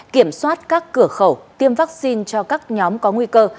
kiểm soát các cửa khẩu tiêm vaccine cho các nhóm có nguy cơ